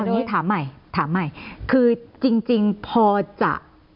อย่างนี้ถามใหม่ถามใหม่คือจริงพอจะ